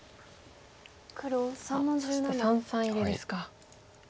あっそして三々入りですか。